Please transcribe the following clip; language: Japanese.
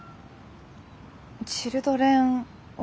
チルドレンオブ。